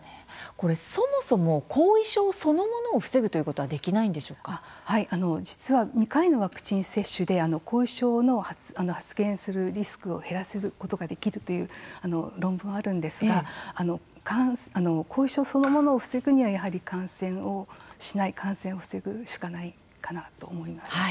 そもそも後遺症そのものを防ぐということは実は２回のワクチン接種で後遺症の発生するリスクを減らすことができるという論文もあるんですが後遺症そのものを防ぐにはやはり感染をしない、感染を防ぐしかないかなと思います。